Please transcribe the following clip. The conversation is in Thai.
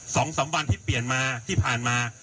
สองสามวันที่เปลี่ยนมาที่ผ่านมา